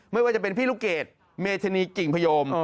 ไม่ว่าจะเป็นพี่ลูกเกดเมธานีกิ่งพยม